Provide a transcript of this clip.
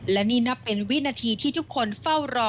และนี่นับเป็นวินาทีที่ทุกคนเฝ้ารอ